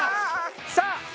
さあ！